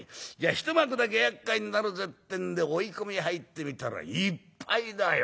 一幕だけやっかいになるぜってんで追い込みへ入ってみたらいっぱいだよ。